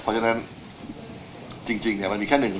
เพราะฉะนั้นจริงมันมีแค่หนึ่ง